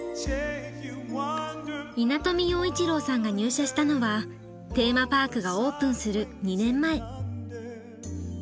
稲富洋一郎さんが入社したのはテーマパークがオープンする２年前。